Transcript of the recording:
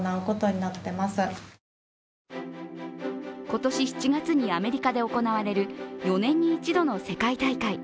今年７月にアメリカで行われる４年に一度の世界大会